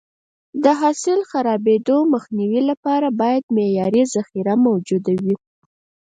د حاصل د خرابېدو مخنیوي لپاره باید معیاري ذخیره موجوده وي.